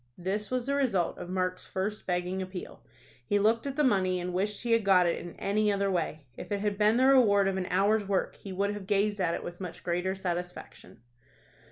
This was the result of Mark's first begging appeal. He looked at the money, and wished he had got it in any other way. If it had been the reward of an hour's work he would have gazed at it with much greater satisfaction.